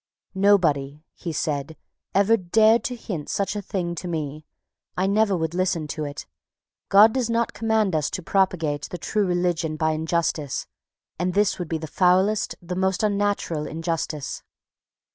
"Nobody," he said, "ever dared to hint such a thing to me. I never would listen to it. God does not command us to propagate the true religion by injustice and this would be the foulest, the most unnatural injustice."